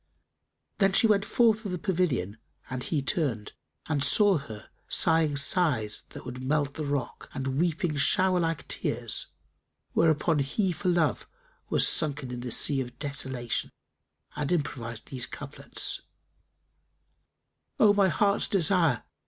Then she went forth of the pavilion, and he turned and saw her sighing sighs would melt the rock and weeping shower like tears; whereupon he for love was sunken in the sea of desolation and improvised these couplets, "O my heart's desire!